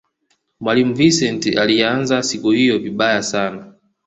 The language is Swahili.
mwalimu vincent aliianza siku hiyo vibaya sana